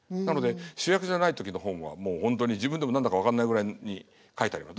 なので主役じゃない時の本はもう本当に自分でも何だか分かんないぐらいに書いて。